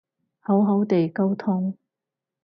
好好哋溝通